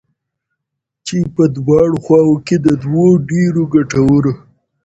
چې په دواړو خواوو كې د دوو ډېرو گټورو